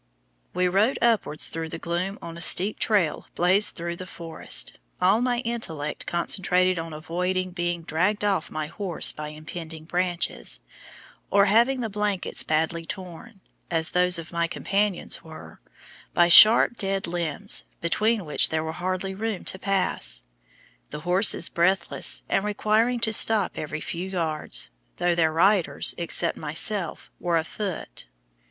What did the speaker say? We rode upwards through the gloom on a steep trail blazed through the forest, all my intellect concentrated on avoiding being dragged off my horse by impending branches, or having the blankets badly torn, as those of my companions were, by sharp dead limbs, between which there was hardly room to pass the horses breathless, and requiring to stop every few yards, though their riders, except myself, were afoot.